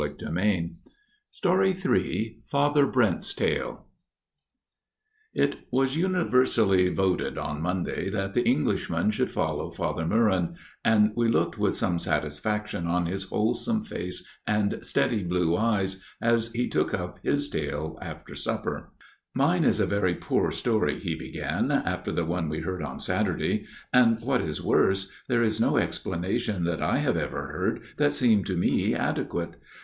Ill Father Brent's Tale Ill Father Brent's Tale IT was universally voted on Monday that the Englishman should follow Father Meuron, and we looked with some satisfaction on his wholesome face and steady blue eyes, as he took up his tale after supper. " Mine is a very poor story," he began, " after the one we heard on Saturday, and, what is worse, there is no explanation that I have ever heard that seemed to me adequate.